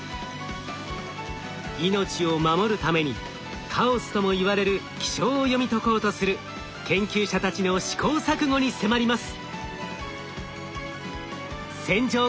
命を守るためにカオスともいわれる気象を読み解こうとする研究者たちの試行錯誤に迫ります！